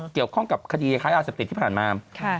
เกี่ยวข้องกับคดีค้ายาเสพติดที่ผ่านมา